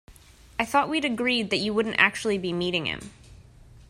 I thought we'd agreed that you wouldn't actually be meeting him?